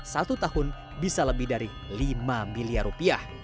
satu tahun bisa lebih dari lima miliar rupiah